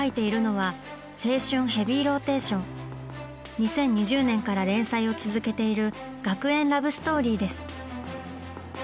２０２０年から連載を続けている学園ラブストーリーです。